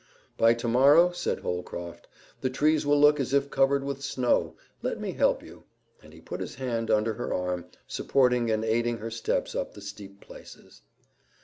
"By tomorrow," said Holcroft, "the trees will look as if covered with snow. Let me help you," and he put his hand under her arm, supporting and aiding her steps up the steep places.